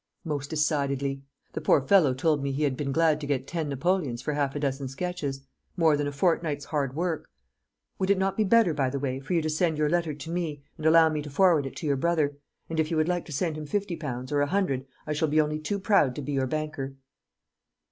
"Most decidedly. The poor fellow told me he had been glad to get ten napoleons for half a dozen sketches: more than a fortnight's hard work. Would it not be better, by the way, for you to send your letter to me, and allow me to forward it to your brother? and if you would like to send him fifty pounds, or a hundred, I shall be only too proud to be your banker."